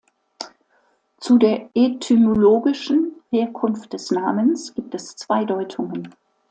Zu der etymologischen Herkunft des Namens gibt es zwei Deutungen.